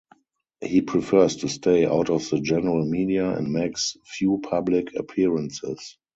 He prefers to stay out of the general media and makes few public appearances.